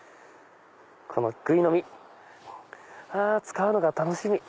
このぐい飲み使うのが楽しみ。